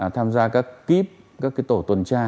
tham gia các kíp các tổ tuần tra